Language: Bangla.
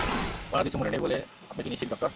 ওনার কিছু মনে নেই বলে আপনি কি নিশ্চিত, ডক্টর?